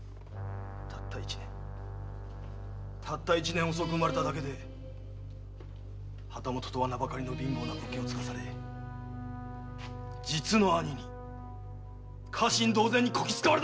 たった一年たった一年遅く生まれただけで旗本とは名ばかりの貧乏な分家を継がされ実の兄に家臣同然にこき使われたのだっ‼